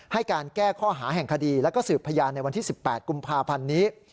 ให้การแก้ข้อหาแห่งคดีแล้วก็สืบพยานในวันที่๑๘กุมภาพันธ์นี้